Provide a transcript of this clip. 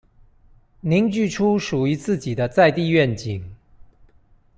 凝聚出屬於自己的在地願景